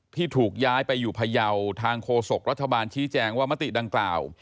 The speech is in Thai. ที่ถูกย้ายไปอยู่พยาวทางโฆษกรัฐบาลชี้แจงว่ามติดังกล่าว